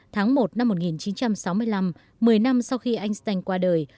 tháng một năm một nghìn chín trăm sáu mươi năm một mươi năm sau khi einstein qua đời